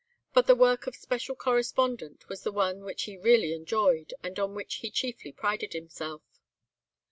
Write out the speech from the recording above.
But the work of Special Correspondent was the one which he really enjoyed, and on which he chiefly prided himself.